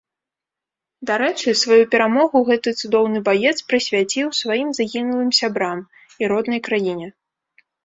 Дарэчы, сваю перамогу гэты цудоўны баец прысвяціў сваім загінулым сябрам і роднай краіне.